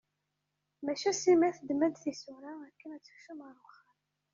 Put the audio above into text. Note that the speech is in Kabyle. Maca Sima teddem-d tisura akken ad tekcem ɣer uxxam.